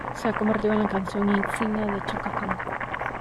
Se ha convertido en la canción insignia de Chaka Khan.